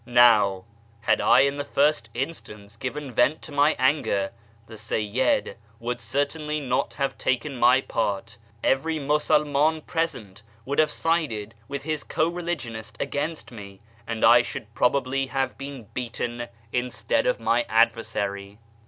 Now, had I in the first instance given vent to my anger, the Seyyid would certainly not have taken my part, every Musulman present would have sided with his co religionist against me, and I should probably have been beaten instead of my adversary."